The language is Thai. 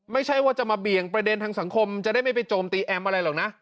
ไม่ใช่ว่าจะมาเบี่ยงประเด็นทางสังคมจะได้ไม่ไปโจมตีแอมอะไรหรอกนะ